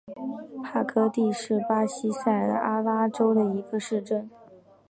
帕科蒂是巴西塞阿拉州的一个市镇。